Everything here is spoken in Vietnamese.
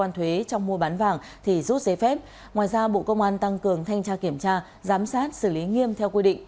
thì rút giấy phép ngoài ra bộ công an tăng cường thanh tra kiểm tra giám sát xử lý nghiêm theo quy định